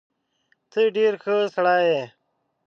ته ډېر ښه سړی يې.